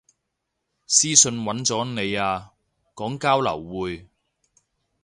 私訊搵咗你啊，講交流會